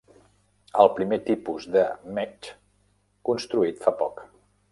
El primer tipus de "mechs" construït fa poc.